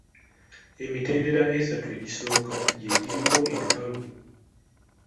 Emitendera esatu egisooka gye giriko enkalu.